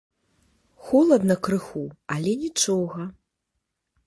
Холадна крыху, але нічога.